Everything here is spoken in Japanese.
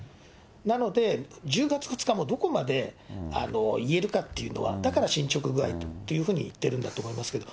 なので、１０月２日もどこまで言えるかっていうのは、だから進捗具合というふうに言ってるんだと思いますけど。